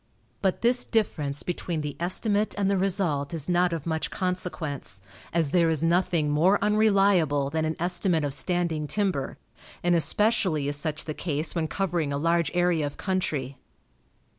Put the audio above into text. But this difference between the estimate and the result is not of much consequence, as there is nothing more unreliable than an estimate of standing timber, and especially is such the case when covering a large area of country.